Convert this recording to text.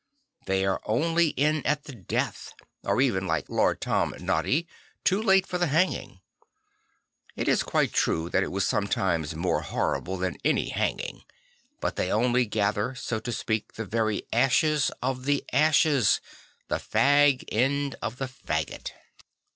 They are only in at the death; or even, like Lord Tom Noddy, too late for the hanging. It is quite true that it was sometimes more horrible than any hanging; but they only gather, so to speak, the very ashes of the ashes; the fag end of the faggot.